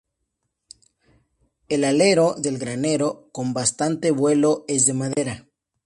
El alero del granero, con bastante vuelo, es de madera.